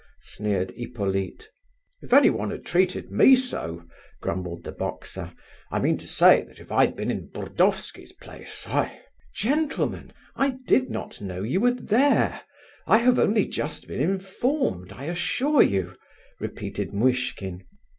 sneered Hippolyte. "If anyone had treated me so," grumbled the boxer. "I mean to say that if I had been in Burdovsky's place...I..." "Gentlemen, I did not know you were there; I have only just been informed, I assure you," repeated Muishkin.